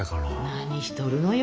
何しとるのよ。